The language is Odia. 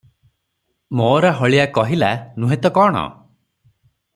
"ମଓରା ହଳିଆ କହିଲା, ନୁହେଁ ତ କଣ?